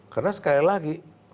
karena sekali lagi